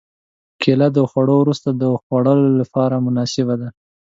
کېله د خوړو وروسته د خوړلو لپاره مناسبه ده.